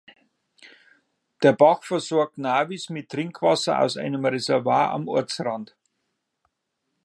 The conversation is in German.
Der Bach versorgt Navis mit Trinkwasser aus einem Reservoir am Ortsrand.